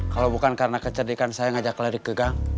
kalau bukan karena kecerikan saya ngajak lari ke gang